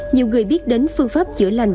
nhiều người biết đến phương pháp chữa lành